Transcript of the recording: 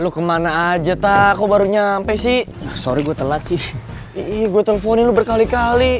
lu kemana aja tak kok baru nyampe sih sorry gue telat sih iya gue telepon lu berkali kali